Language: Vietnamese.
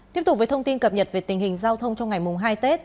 tiếp tục với thông tin cập nhật về tình hình giao thông trong ngày hai tết